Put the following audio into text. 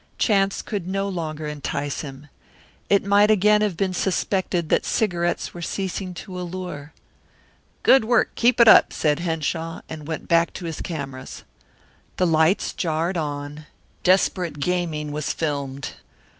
Chance could no longer entice him. It might again have been suspected that cigarettes were ceasing to allure. "Good work! Keep it up," said Henshaw and went back to his cameras. The lights jarred on; desperate gaming was filmed.